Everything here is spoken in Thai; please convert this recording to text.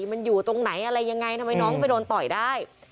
มันอยู่ตรงไหนอะไรยังไงทำไมน้องไปโดนต่อยได้